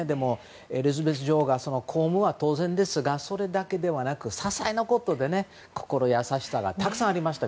エリザベス女王が公務は当然ですがそれだけではなくささいなことで心優しさがたくさんありました。